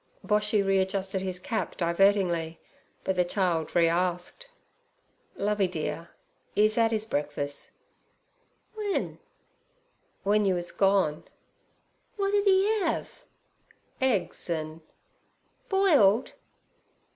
Boshy readjusted his cap divertingly, but the child re asked. 'Lovey dear, 'e's 'ad 'is breakfuss.' 'W'en?' 'W'en you was gone.' 'W'at did 'e have?' 'Eggs an'—' 'Boiled?'